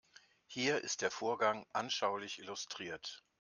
Hier ist der Vorgang anschaulich illustriert.